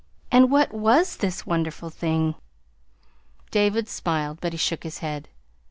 And what was this wonderful thing?" David smiled, but he shook his head.